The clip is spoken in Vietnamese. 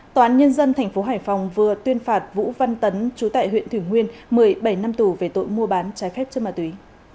tòa án nhân dân tp hải phòng vừa tuyên phạt vũ văn tấn trú tại huyện thủy nguyên một mươi bảy năm tù về tội mua bán trái phép chân mà tùy